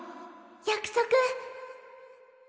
約束。